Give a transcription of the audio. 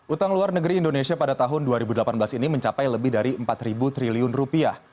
utang luar negeri indonesia pada tahun dua ribu delapan belas ini mencapai lebih dari empat triliun rupiah